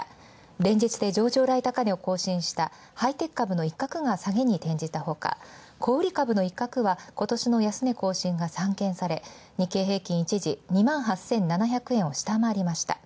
連日で上場来高値を更新したハイテク株の一角が下げに転じたほか小売株の一角が今年の安値が更新が散見され、日本経済新聞は２８０００円を下回りました。